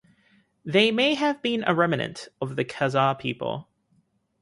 They may have been a remnant of the Khazar people.